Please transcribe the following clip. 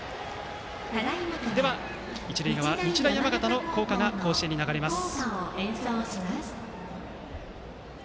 一塁側、日大山形の校歌が甲子園に流れます。